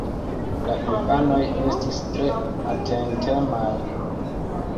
La infanoj estis tre atentemaj.